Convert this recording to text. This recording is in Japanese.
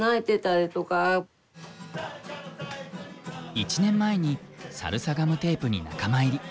１年前にサルサガムテープに仲間入り。